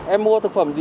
em mua thực phẩm gì